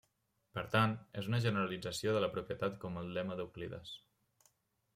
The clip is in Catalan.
Per tant, és una generalització de la propietat del lema d'Euclides.